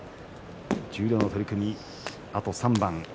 十両の取組、あと３番。